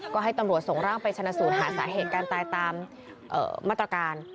ก็ให้ตำรวจส่งร่างไปชนะสูตรหาสาเหตุการตายตามมาตรการ